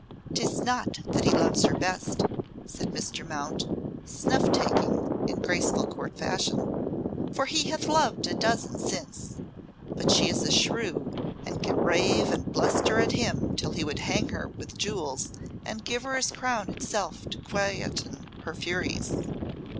"'Tis not that he loves her best," said Mr. Mount, snuff taking in graceful Court fashion, "for he hath loved a dozen since; but she is a shrew, and can rave and bluster at him till he would hang her with jewels, and give her his crown itself to quieten her furies.